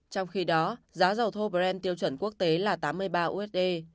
trong khi đó giá dầu thorbren tiêu chuẩn quốc tế là tám mươi ba usd